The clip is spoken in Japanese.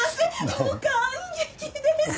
もう感激です！